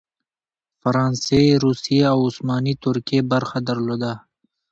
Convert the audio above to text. فرانسې، روسیې او عثماني ترکیې برخه درلوده.